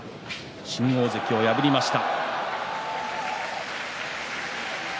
新大関を破りました。